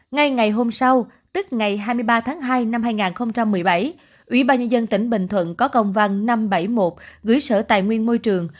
ngay ngày hôm sau tức ngày hai mươi ba tháng hai năm hai nghìn một mươi bảy ủy ban nhân dân tỉnh bình thuận có công văn năm trăm bảy mươi một gửi sở tài nguyên môi trường